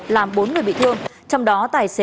làm bốn người bị thương trong đó tài xế